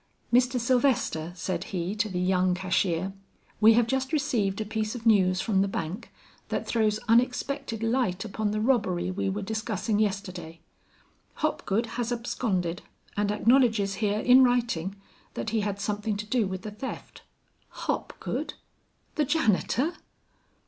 "Mr. Sylvester," said he, to the young cashier, "we have just received a piece of news from the bank, that throws unexpected light upon the robbery we were discussing yesterday. Hopgood has absconded, and acknowledges here in writing that he had something to do with the theft!" "Hopgood, the janitor!"